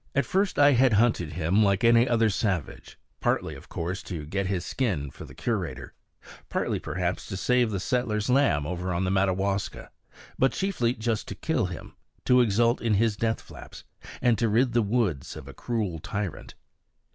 At first I had hunted him like any other savage; partly, of course, to get his skin for the curator; partly, perhaps, to save the settler's lambs over on the Madawaska; but chiefly just to kill him, to exult in his death flaps, and to rid the woods of a cruel tyrant.